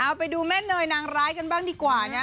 เอาไปดูแม่เนยนางร้ายกันบ้างดีกว่านะ